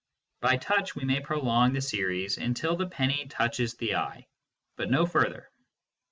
By touch we may prolong the series until the penny touches the eye, but no further.